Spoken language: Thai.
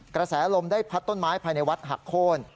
กระแสลมได้พัดต้นไม้ภายในวัดหักโค้น